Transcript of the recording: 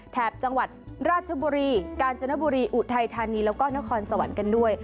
แถบจังหวัดราชบุรีกาญจนบุรีอุทัยธานีแล้วก็นครสวรรค์กันด้วย